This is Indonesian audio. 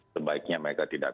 sebaiknya mereka tidak bergejala